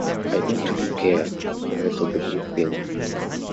I don't really care what the rest of the group think.